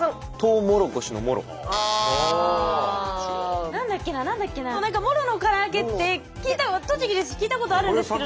「モロのから揚げ」って栃木ですし聞いたことあるんですけど。